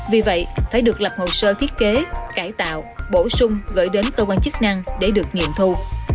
vì vậy phải được lập hồ sơ thiết kế cải tạo bổ sung gửi đến cơ quan chức năng để được nghiệm thu